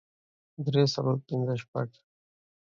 The Limerick treaty marked the end of the war.